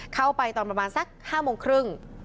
เข้าไปตอนประมาณสัก๕โมงครึ่ง